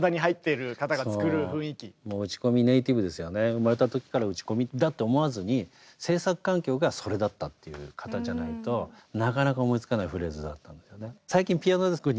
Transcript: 生まれた時から打ち込みだって思わずに制作環境がそれだったっていう方じゃないとなかなか思いつかないフレーズだったんですね。